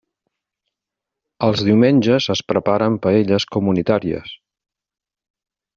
Els diumenges es preparen paelles comunitàries.